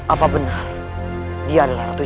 apa benar itu dia ratu zhao sangadin